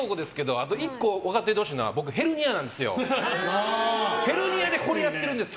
あと１個分かっててほしいのは僕、ヘルニアなんですよ。